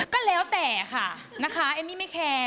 ก็แล้วแต่ค่ะนะคะเอมมี่ไม่แคร์